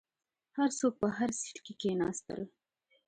هر څوک په هر سیټ کې کیناستل.